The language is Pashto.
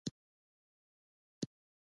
آیا خوشحال خان خټک د تورې او قلم خاوند نه و؟